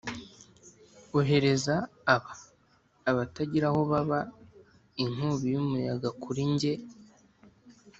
ohereza aba, abatagira aho baba, inkubi y'umuyaga kuri njye,